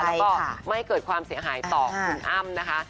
แล้วก็ไม่เกิดความเสียหายต่อคุณอ้ำนะคะ